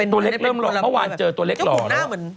ตัวเล็กเริ่มรอเมื่อวานเจอตัวเล็กรอแล้ว